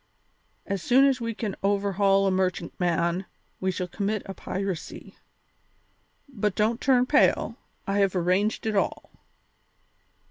As soon as we can overhaul a merchantman we shall commit a piracy. But don't turn pale; I have arranged it all."